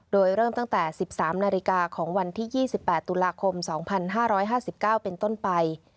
โดยเริ่มตั้งแต่๑๓นาฬิกาของวันที่๒๘ตุลาคม๒๕๕๙เป็นต้นไป